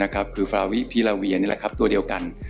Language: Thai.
คือฟราวิลาเวียนี่แหละครับตัวเดียวกัน